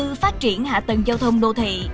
đầu tư phát triển hạ tầng giao thông đô thị